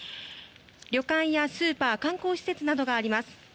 旅館やスーパー観光施設などがあります。